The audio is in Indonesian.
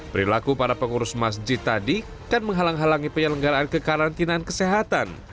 perilaku para pengurus masjid tadi kan menghalang halangi penyelenggaraan kekarantinaan kesehatan